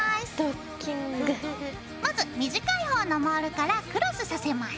まず短い方のモールからクロスさせます。